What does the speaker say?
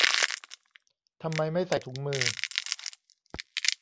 ทำไมไม่ใส่ถุงมือ